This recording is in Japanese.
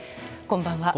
こんばんは。